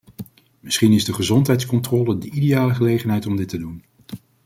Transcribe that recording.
Misschien is de gezondheidscontrole de ideale gelegenheid om dit te doen.